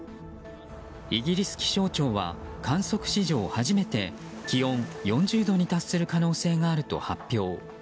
イギリス気象庁は観測史上初めて気温４０度に達する可能性があると発表。